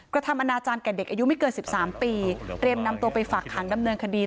กระทำอนาจารย์แก่เด็กอายุไม่เกิน๑๓ปีเตรียมนำตัวไปฝากขังดำเนินคดี